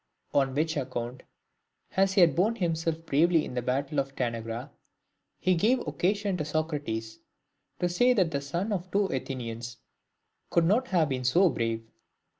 On which account, as he had borne himself bravely in the battle of Tanagra, he gave occasion to Socrates to say that the son of two Athenians could not have been so brave.